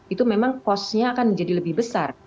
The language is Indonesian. itu memang cost nya akan menjadi lebih besar